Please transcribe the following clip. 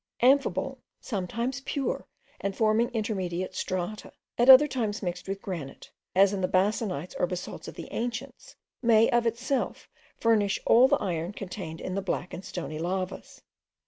Amphibole, sometimes pure and forming intermediate strata, at other times mixed with granite, as in the basanites or basalts of the ancients, may, of itself, furnish all the iron contained in the black and stony lavas.